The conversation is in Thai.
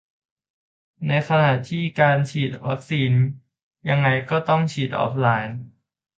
ในขณะที่การฉีดวัคซีน ยังไงก็ต้องฉีดออฟไลน์